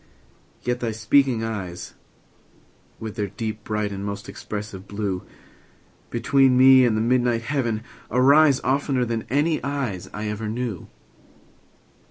—yet thy speaking eyes, With their deep, bright, and most expressive blue, Between me and the midnight heaven arise, 15 Oftener than any eyes I ever knew.